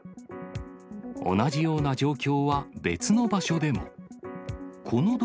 同じような状況は別の場所でも。